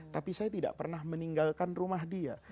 tapi saya tidak pernah meninggalkan rumah dia